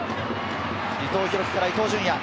伊藤洋輝から伊東純也。